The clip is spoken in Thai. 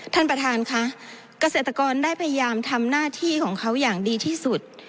ท่านประธานค่ะเกษตรกรได้พยายามทำหน้าที่ของเขาอย่างดีที่สุด